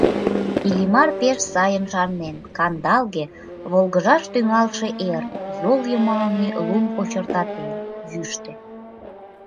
Иллимар пеш сайын шарнен: кандалге, волгыжаш тӱҥалше эр, йол йымалне лум кочыртатен, йӱштӧ.